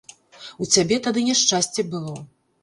У цябе тады няшчасце было.